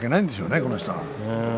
この人は。